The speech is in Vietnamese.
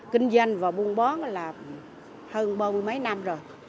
kinh doanh và buôn bón là hơn ba mươi mấy năm rồi